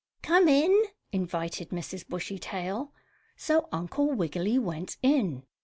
"Come in!" invited Mrs. Bushytail. So Uncle Wiggily went in.